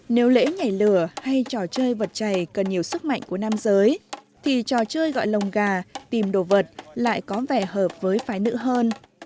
nếu lễ nhảy lửa hay trò chơi vật chảy cần nhiều sức mạnh của nam giới thì trò chơi gọi lồng gà tìm đồ vật lại có vẻ hợp với phái nữ hơn